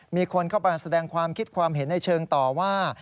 มีคนเข้ามาแสดงความคิดความเห็นในเชิงต่อว่า